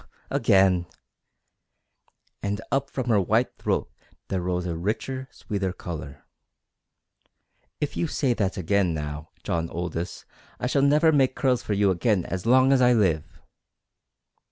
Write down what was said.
"Again!" And up from her white throat there rose a richer, sweeter colour. "If you say that again now, John Aldous, I shall never make curls for you again as long as I live!"